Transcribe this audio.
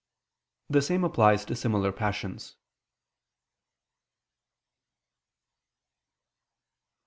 The same applies to similar passions.